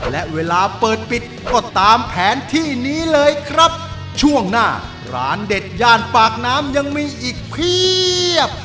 และเวลาเปิดปิดก็ตามแผนที่นี้เลยครับช่วงหน้าร้านเด็ดย่านปากน้ำยังมีอีกเพียบ